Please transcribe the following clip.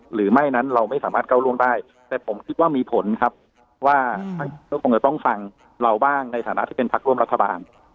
หรือไม่นั้นเราไม่สามารถก้าวล่วงได้แต่ผมคิดว่ามีผลครับว่าก็คงจะต้องฟังเราบ้างในฐานะที่เป็นพักร่วมรัฐบาล